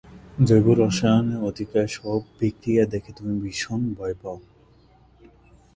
জৈব রসায়নের অতিকায় সব বিক্রিয়া দেখে তুমি ভীষণ ভয় পাও।